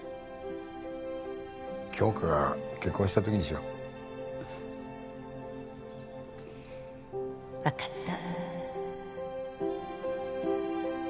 杏花が結婚した時にしよう分かった